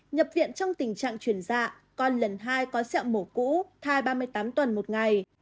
nhập viện trong tình trạng chuyển dạ con lần hai có sẹo mổ cũ thai ba mươi tám tuần một ngày